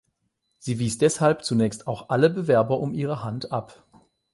Sie wies deshalb zunächst auch alle Bewerber um ihre Hand ab.